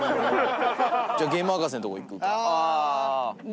じゃあゲーム博士のとこ行くか。